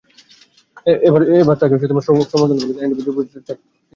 এখন তাঁকে সমর্থন দেওয়া হলে এলডিপি জোট ত্যাগের কথা চিন্তা করবে।